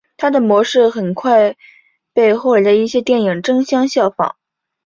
它的模式很快被后来的一些电影争相效仿。